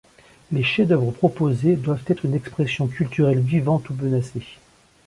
Les chefs-d’œuvre proposés doivent être une expression culturelle vivante ou menacée.